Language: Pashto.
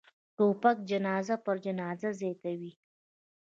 توپک جنازه پر جنازه زیاتوي.